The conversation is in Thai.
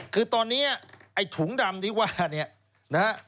คือตอนนี้ไอ้ถุงดำที่ว่าเนี่ยนะฮะ